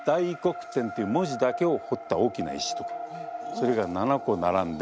それが７個並んで。